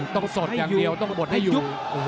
ต้องสดอย่างเดียวต้องหมดให้ยุบ